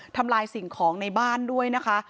ทำลายสิ่งของในบ้านด้วยนะคะ